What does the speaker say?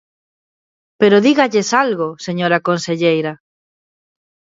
Pero dígalles algo, señora conselleira.